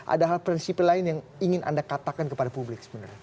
ada hal prinsip lain yang ingin anda katakan kepada publik sebenarnya